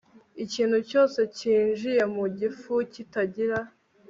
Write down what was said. ikintu cyose cyinjiye mu gifu kitagira